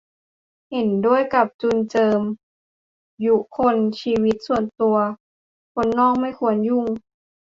เห็นด้วยกับจุลเจิม ยุคล ชีวิตส่วนตัว คนนอกไม่ควรยุ่ง